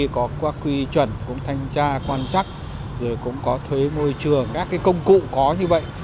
có qua quy chuẩn cũng thanh tra quan chắc rồi cũng có thuế môi trường các công cụ có như vậy